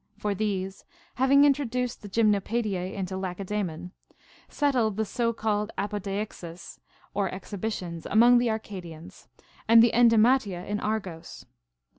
For these, having introduced the Gymnopaediae into Lace daemon, settled the so called Apodeixeis (or Exhibitions) 110 CONCERNING MUSIC. among the Arcadians, and the Endymatia in Argos.